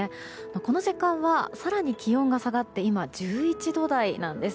この時間は更に気温が下がって今、１１度台なんです。